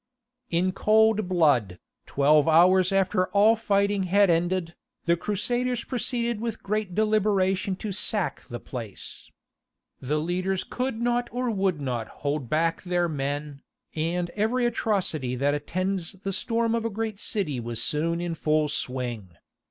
In cold blood, twelve hours after all fighting had ended, the Crusaders proceeded with great deliberation to sack the place. The leaders could not or would not hold back their men, and every atrocity that attends the storm of a great city was soon in full swing.